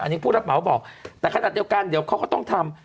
อันนี้ผู้รับเหมาบอกแต่ขนาดเดียวกันเดี๋ยวเขาก็ต้องทำ